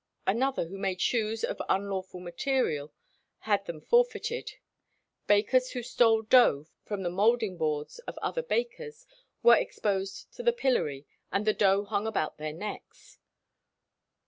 Another who made shoes of unlawful material had them forfeited. Bakers who stole dough from the moulding boards of other bakers were exposed on the pillory with the dough hung about their necks.